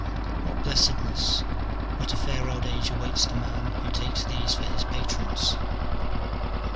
What blessedness, what a fair old age awaits the man who takes these for his patrons